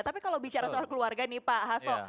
tapi kalau bicara soal keluarga nih pak hasto